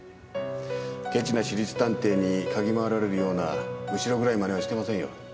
ケチな私立探偵に嗅ぎ回られるような後ろ暗い真似はしてませんよ。